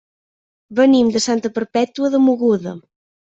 Venim de Santa Perpètua de Mogoda.